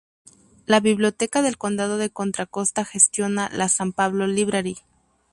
La Biblioteca del Condado de Contra Costa gestiona la San Pablo Library.